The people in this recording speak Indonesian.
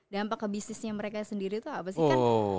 dampak ke bisnisnya mereka sendiri tuh apa sih